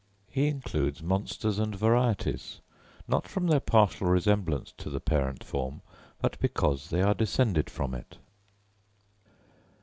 He includes monsters and varieties, not from their partial resemblance to the parent form, but because they are descended from it.